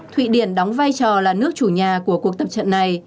thụy điển đóng vai trò là nước chủ nhà của cuộc tập trận này